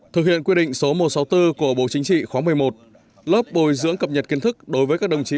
thực hiện quy định số một trăm sáu mươi bốn của bộ chính trị khóa một mươi một lớp bồi dưỡng cập nhật kiến thức đối với các đồng chí